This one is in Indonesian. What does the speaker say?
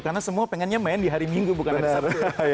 karena semua pengennya main di hari minggu bukan hari sabtu